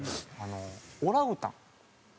オランウータン？